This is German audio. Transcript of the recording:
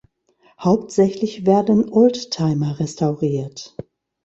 Hauptsächlich werden Oldtimer restauriert.